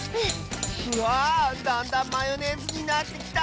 わあだんだんマヨネーズになってきた！